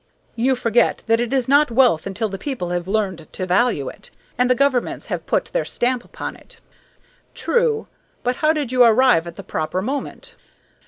"You forget that it is not wealth until the people have learned to value it, and the governments have put their stamp upon it." "True, but how did you arrive at the proper moment?"